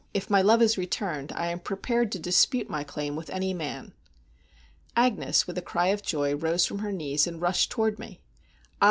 If my love is returned I am prepared to dispute my claim with any man." Agnes, with a cry of joy, rose from her knees, and rushed toward me. Ah!